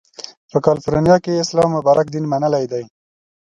په کالیفورنیا کې یې اسلام مبارک دین منلی دی.